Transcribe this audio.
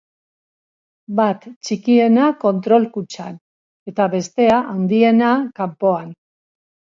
Bat, txikiena, kontrol kutxan, eta bestea, handiena, kanpoan.